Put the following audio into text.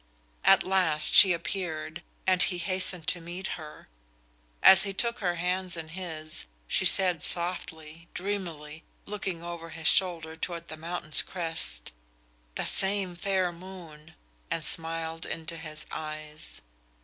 At last she appeared, and he hastened to meet her. As he took her hands in his, she said softly, dreamily, looking over his shoulder toward the mountain's crest: "The same fair moon," and smiled into his eyes.